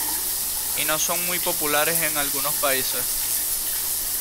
Y no son muy populares en algunos países.